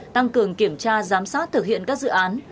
tăng cường kiểm tra giám sát thực hiện các dự án